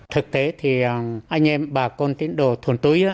thực tế thì anh em bà con tín đồ thuần túi